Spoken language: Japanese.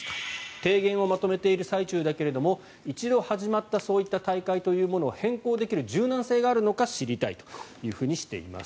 提言をまとめている最中だけれど一度始まったそういった大会というものを変更できる柔軟性があるのか知りたいとしています。